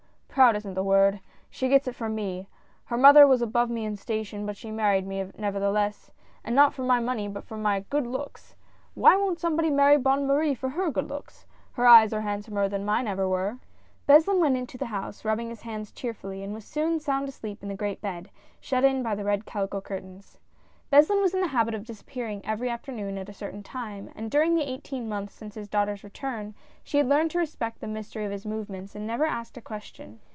proud isn't the word — she gets that from me. Her mother was above me in station, but she married me, nevertheless — and not for my money but for my good looks. — Why won't somebody marry Bonne Marie for her good looks? — her eyes are handsomer than mine ever were !"* Beslin went into the house, rubbing his hands cheer was soon sound asleep in the great bed, shut in by the red calico curtains. THE SMUGGLER. 37 Beslin was in the habit of disappearing every after noon at a certain time, and during the eighteen months since his daughter's return she had learned to respect the mystery of his movements and never asked a ques tion.